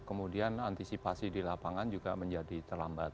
kemudian antisipasi di lapangan juga menjadi terlambat